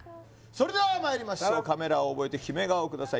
それではまいりましょうカメラを覚えてキメ顔ください